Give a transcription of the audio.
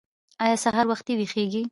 ایا سهار وختي ویښیږئ؟